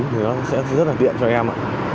thì nó sẽ rất là tiện cho em ạ